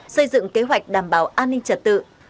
xây dựng kế hoạch đảm bảo an ninh trật tự